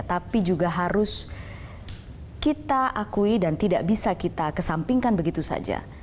tapi juga harus kita akui dan tidak bisa kita kesampingkan begitu saja